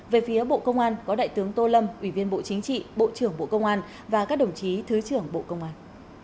về phía bộ công an có đại tướng tô lâm ủy viên bộ chính trị bộ trưởng bộ công an và các đồng chí thứ trưởng bộ công an